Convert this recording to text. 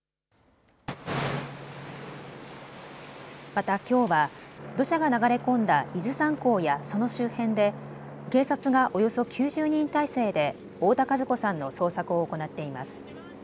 またきょうは土砂が流れ込んだ伊豆山港やその周辺で警察がおよそ９０人態勢で太田和子さんの捜索を行っています。